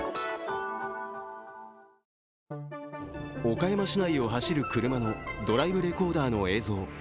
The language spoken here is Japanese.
岡山市内を走る車のドライブレコーダーの映像。